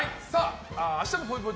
明日のぽいぽい